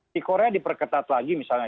di korea diperketat lagi misalnya